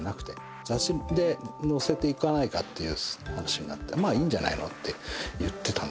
雑誌で載せていかないかっていう話になってまあいいんじゃないのって言ってたんですけどね